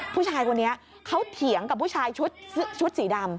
ผู้ชายคนนี้เขาเถียงกับผู้ชายชุดสีดำ